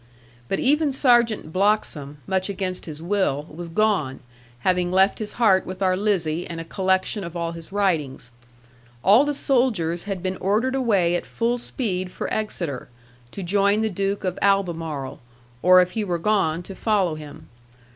But even Sergeant Bloxham, much against his will, was gone, having left his heart with our Lizzie, and a collection of all his writings. All the soldiers had been ordered away at full speed for Exeter, to join the Duke of Albemarle, or if he were gone, to follow him.